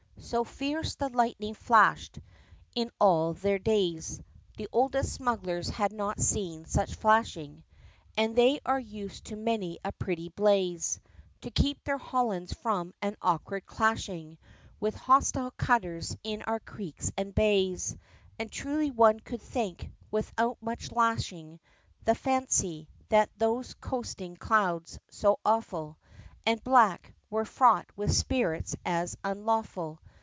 So fierce the lightning flashed. In all their days The oldest smugglers had not seen such flashing, And they are used to many a pretty blaze, To keep their Hollands from an awkward clashing With hostile cutters in our creeks and bays: And truly one could think, without much lashing The fancy, that those coasting clouds, so awful And black, were fraught with spirits as unlawful.